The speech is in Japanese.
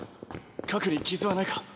核に傷はないか？